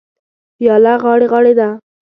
وياله غاړې غاړې ده.